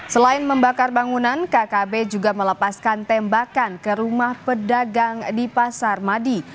selain membakar bangunan kkb juga melepaskan tembakan ke rumah pedagang di pasar madi